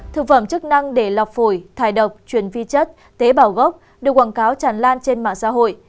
thực phẩm chức năng để lọc phổi độc truyền vi chất tế bảo gốc được quảng cáo tràn lan trên mạng xã hội